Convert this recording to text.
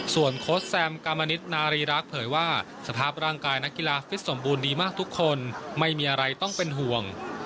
ส่วนโค้ชแซมกามณิษฐนารีรักษ์เผยว่าสภาพร่างกายนักกีฬาฟิตสมบูรณ์ดีมากทุกคนไม่มีอะไรต้องเป็นห่วง